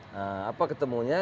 nah apa ketemunya